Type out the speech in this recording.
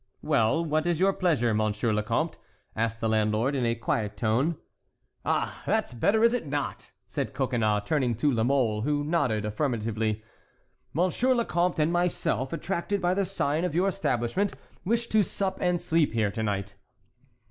"Well, what is your pleasure, Monsieur le Comte?" asked the landlord, in a quiet tone. "Ah, that's better; is it not?" said Coconnas, turning to La Mole, who nodded affirmatively. "Monsieur le Comte and myself, attracted by the sign of your establishment, wish to sup and sleep here to night."